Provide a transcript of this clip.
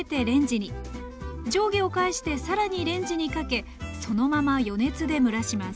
上下を返してさらにレンジにかけそのまま余熱で蒸らします